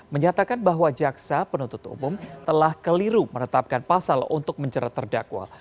menyatakan bahwa jaksa penuntut umum telah keliru menetapkan pasal untuk mencerat terdakwa